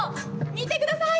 見てください。